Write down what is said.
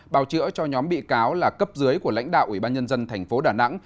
bào chữa cho nhóm bị cáo là cấp dưới của lãnh đạo ubnd tp đà nẵng